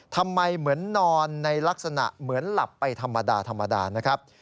ทำไมเหมือนนอนในลักษณะเหมือนหลับไปธรรมดาธรรมดานะครับ